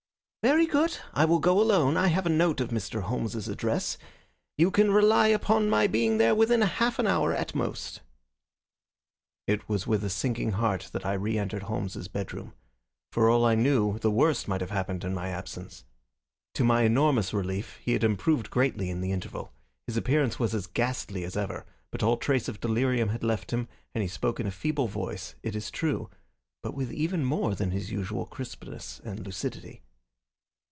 "Very good. I will go alone. I have a note of Mr. Holmes's address. You can rely upon my being there within half an hour at most." It was with a sinking heart that I reentered Holmes's bedroom. For all that I knew the worst might have happened in my absence. To my enormous relief, he had improved greatly in the interval. His appearance was as ghastly as ever, but all trace of delirium had left him and he spoke in a feeble voice, it is true, but with even more than his usual crispness and lucidity.